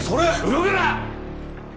動くな！